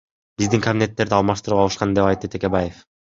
Биздин кабинеттерди алмаштырып алышкан, — деп айтты Текебаев.